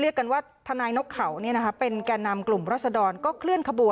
เพราะเราเข้าใจผู้ชมนุมอยู่แล้ว